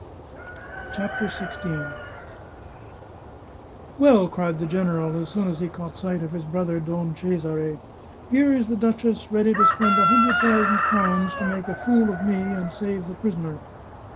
CHAPTER XVI " Well," cried the general, as soon as he caught sight of his brother Don Cesare, " here is the duchess ready to spend a hundred thousand crowns to make a fool of me and save the prisoner."